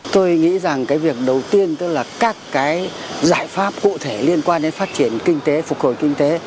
tôi nghĩ rằng cái việc đầu tiên tức là các cái giải pháp cụ thể liên quan đến phát triển kinh tế phục hồi kinh tế